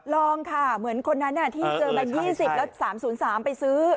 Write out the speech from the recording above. ลองค่ะเหมือนคนนั้นที่เจอมา๒๐แล้ว๓๐๓ไปซื้อ